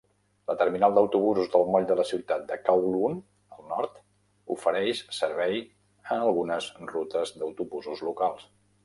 La terminal d'autobusos del moll de la ciutat de Kowloon, al nord, ofereix servei a algunes rutes d'autobusos locals.